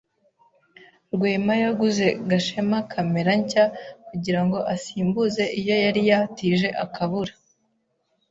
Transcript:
Rwema yaguze Gashema kamera nshya kugirango asimbuze iyo yari yatije akabura.